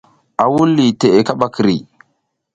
A wuɗ liʼi teʼe kaɓa kiri.